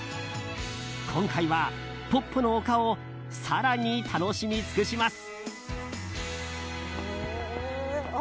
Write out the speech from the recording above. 今回は、ポッポの丘を更に楽しみ尽くします。